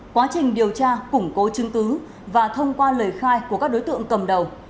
quá trình điều tra củng cố chứng cứ và thông qua lời khai của các đối tượng cầm đầu